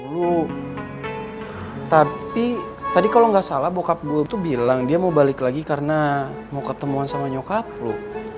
lu tapi tadi kalau nggak salah bokap gue tuh bilang dia mau balik lagi karena mau ketemuan sama nyokaplu